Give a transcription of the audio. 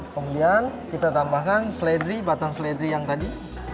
kemudian kita tambahkan seledri batang seledri yang tadi